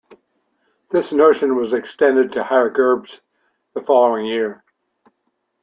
This notion was extended to higher gerbes the following year.